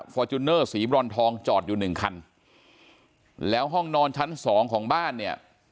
ฟอร์จูเนอร์สีบรอนทองจอดอยู่หนึ่งคันแล้วห้องนอนชั้นสองของบ้านเนี่ย